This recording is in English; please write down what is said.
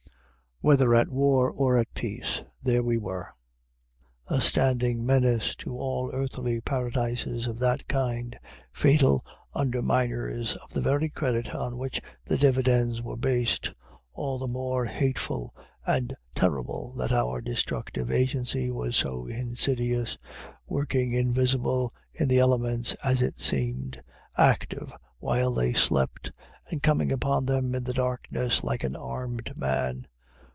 Whether at war or at peace, there we were, a standing menace to all earthly paradises of that kind, fatal underminers of the very credit on which the dividends were based, all the more hateful and terrible that our destructive agency was so insidious, working invisible in the elements, as it seemed, active while they slept, and coming upon them in the darkness like an armed man.